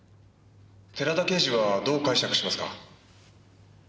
寺田刑事はどう解釈しますか？